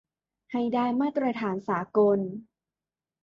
ให้ได้มาตรฐานสากล